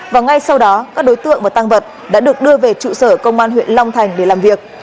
và ngay sau đó các đối tượng và tăng vật đã được đưa về trụ sở công an huyện long thành để làm việc